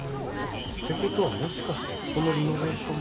ってことはもしかしてここのリノベーションも？